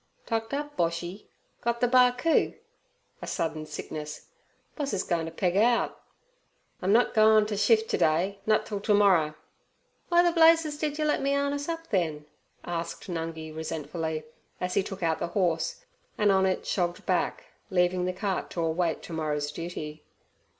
'Tucked up, Boshy? Got the Barcoo?' (a sudden sickness). 'Boss is goin' t' peg out.' 'I'm nut a goin' t' shift t' day; nut till t' morrer.' 'W'y ther blazes did yer le' me 'arness up, then?' asked Nungi resentfully, as he took out the horse, and on it shogged back, leaving the cart to await to morrow's duty.